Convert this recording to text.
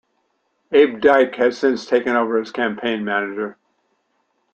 Abe Dyk has since taken over as campaign manager.